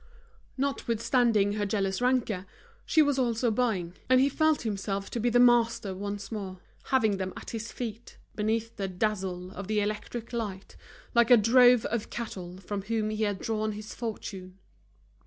Notwithstanding her jealous rancour, she was also buying, and he felt himself to be the master once more, having them at his feet, beneath the dazzle of the electric light, like a drove of cattle from whom he had drawn his fortune.